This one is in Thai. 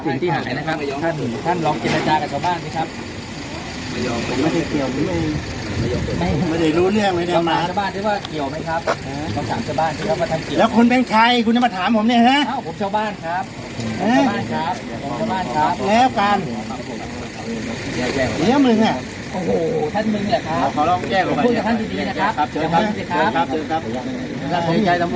ได้ผมใช้ตรงส่วนครับขอเวลาถึงจังเลยครับ